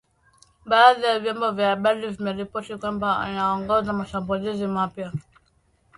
badhi ya vyombo vya habari vimeripoti kwamba anaongoza mashambulizi mapya